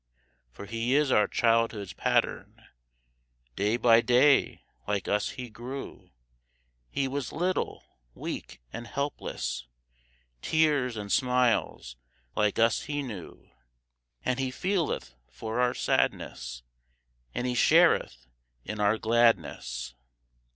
For He is our childhood's Pattern, Day by day like us He grew; He was little, weak, and helpless, Tears and smiles like us He knew: And He feeleth for our sadness, And He shareth in our gladness.